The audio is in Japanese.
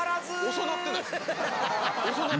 遅なってない？